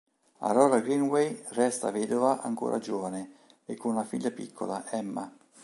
Aurora Greenway resta vedova ancora giovane e con una figlia piccola, Emma.